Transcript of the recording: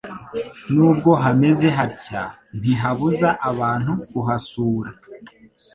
Nubwo hameze hatya ntihabuza abantu kuhasura